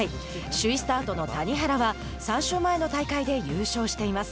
首位スタートの谷原は３週前の大会で優勝しています。